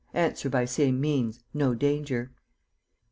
Answer by same means. No danger."